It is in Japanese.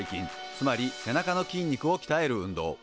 つまり背中の筋肉をきたえる運動。